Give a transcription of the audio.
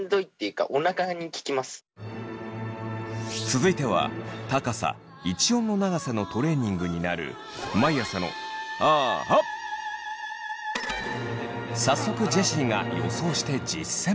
続いては高さ一音の長さのトレーニングになる早速ジェシーが予想して実践！